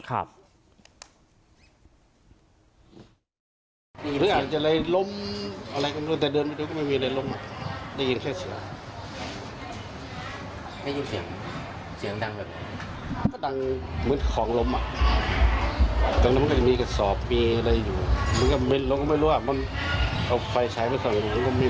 คือตอนนั้นมันก็จะมีเกษาปีอยู่ยังหมดไม่รู้หรอกว่าเอาไฟก็ใช้ไม่ไม่มี